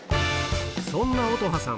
そんな乙葉さん